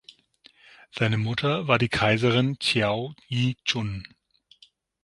Seine Mutter war die Kaiserin Xiao Yi Chun.